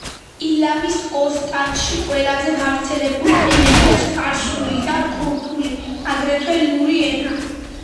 ილამის ოსტანში ყველაზე გავრცელებული ენებია: სპარსული და ქურთული, აგრეთვე ლური ენა.